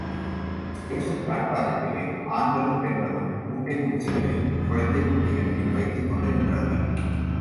Station பிளாட்பாரத்திலே ஆண்களும், பெண்களும் மூட்டை முடிச்சுக்களையும், குழந்தை குட்டிகளையும் வைத்துக் கொண்டு நின்றார்கள்.